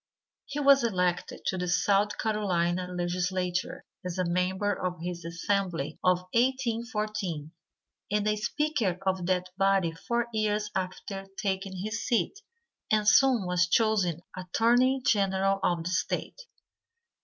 He was elected to the South Carolina legislature as a member of the assembly of 1814, and as speaker of that body four years after taking his seat and soon was chosen Attorney General of the State.